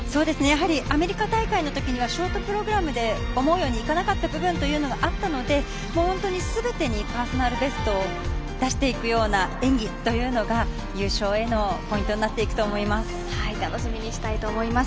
アメリカ大会のときにはショートプログラムで思うようにいかなかった部分があったので本当にすべてにパーソナルベストを出していくような演技というのが優勝へのポイントになっていくと思います。